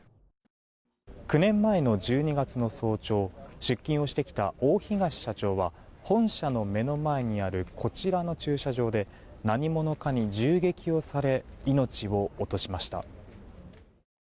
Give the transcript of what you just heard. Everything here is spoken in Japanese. ９年前の１２月の早朝出勤をしてきた大東社長は本社の目の前にあるこちらの駐車場で何者かに銃撃をされ命を落としました。